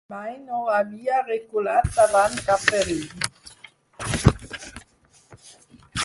Mai no havia reculat davant cap perill.